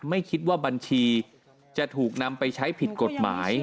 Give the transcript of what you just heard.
ไม่คิดว่าบัญชีจะถูกนำไปใช้ผิดกฎหมาย